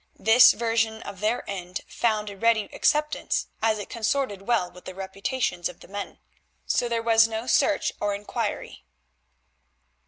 This version of their end found a ready acceptance, as it consorted well with the reputations of the men. So there was no search or inquiry.